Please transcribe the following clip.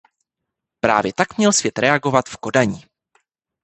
Právě tak měl svět reagovat v Kodani.